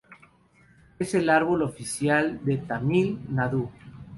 Es el árbol oficial de Tamil Nadu.